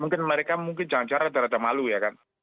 mungkin mereka mungkin jangan caranya terlalu malu ya kan